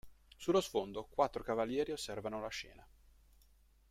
Sullo sfondo quattro cavalieri osservano la scena.